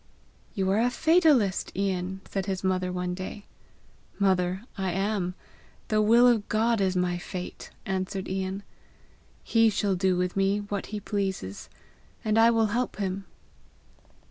"You are a fatalist, Ian!" said his mother one day. "Mother, I am; the will of God is my fate!" answered Ian. "He shall do with me what he pleases; and I will help him!"